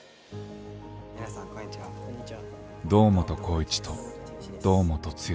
堂本光一と堂本剛。